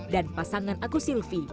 dan pasangan agus silvi